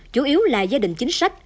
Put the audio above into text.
chủ yếu là gia đình chính sách